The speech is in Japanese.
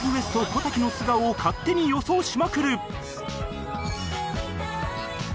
小瀧の素顔を勝手に予想しまくる！